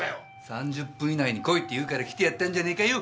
３０分以内に来いって言うから来てやったんじゃねえかよ。